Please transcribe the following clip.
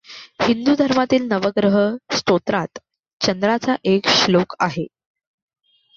हिंदू धर्मातील नवग्रह स्तोत्रात चंद्राचा एक श्लोक आहे.